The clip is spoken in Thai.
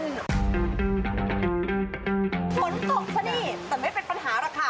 หมนตกใช่ไหมแต่ไม่เป็นปัญหาหรือคะ